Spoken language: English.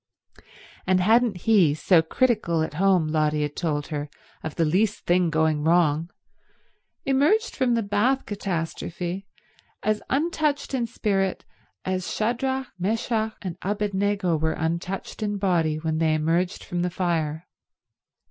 And hadn't he, so critical at home, Lotty had told her, of the least thing going wrong, emerged from the bath catastrophe as untouched in spirit as Shadrach, Meshach and Abednego were untouched in body when they emerged from the fire?